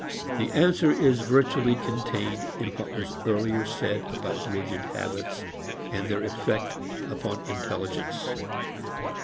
The answer is virtually contained in what was earlier said about rigid habits and their effect upon intelligence.